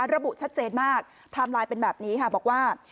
ระบุชัดเจนมากทำลายเป็นแบบนี้บอกว่า